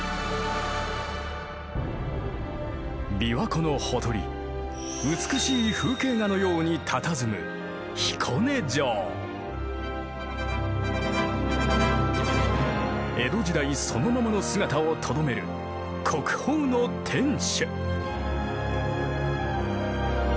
琵琶湖のほとり美しい風景画のようにたたずむ江戸時代そのままの姿をとどめる国宝の天守。